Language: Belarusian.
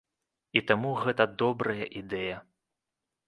І таму гэта добрая ідэя.